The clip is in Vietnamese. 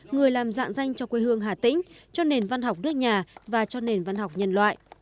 người làm dạng danh cho quê hương hà tĩnh cho nền văn học nước nhà và cho nền văn học nhân loại